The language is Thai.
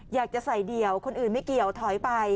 อยากจะใส่เดี่ยวคนอื่นไม่เกี่ยวถอยไป